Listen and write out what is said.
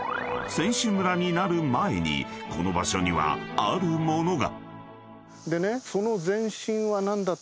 選手村になる前この場所にあったのが］